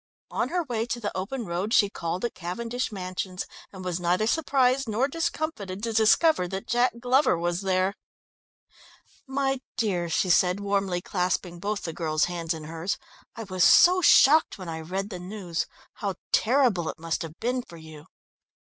On her way to the open road she called at Cavendish Mansions, and was neither surprised nor discomfited to discover that Jack Glover was there. "My dear," she said, warmly clasping both the girl's hands in hers, "I was so shocked when I read the news! How terrible it must have been for you."